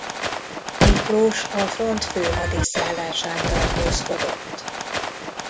Miklós a front főhadiszállásán tartózkodott.